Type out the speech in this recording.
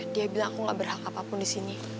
dia bilang aku gak berhak apapun di sini